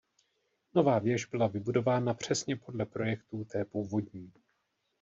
Nová věž byla vybudována přesně podle projektů té původní.